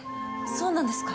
そうなんですか？